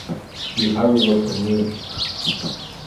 The Haverford News.